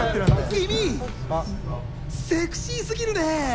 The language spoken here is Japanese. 君、セクシー過ぎるね。